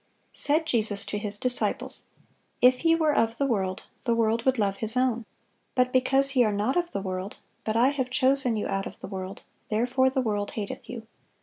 Said Jesus to His disciples: "If ye were of the world, the world would love his own: but because ye are not of the world, but I have chosen you out of the world, therefore the world hateth you.